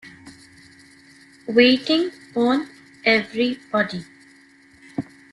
Waiting on everybody.